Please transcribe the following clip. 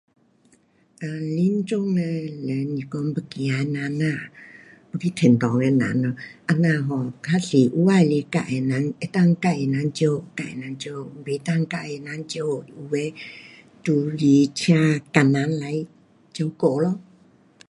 呃，临终的人是讲要走的人呐？要去天堂的人咯，这样 um 较多有些的是自的人，能够自的人照顾就自的人照顾，不能自的人照顾有的就是请工人来照顾咯。